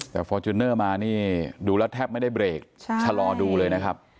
แต่ฟอร์จูเนอร์มานี่ดูแล้วแทบไม่ได้เบรกชะลอดูเลยนะครับ